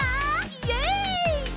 イエイ！